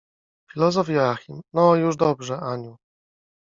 Filozof Joachim: — No, już dobrze, Aniu.